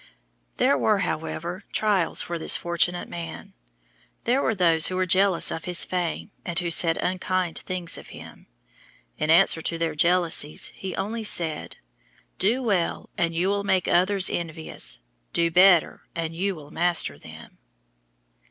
There were, however, trials for this fortunate man. There were those who were jealous of his fame and who said unkind things of him. In answer to their jealousies he only said, "Do well and you will make others envious; do better and you will master them."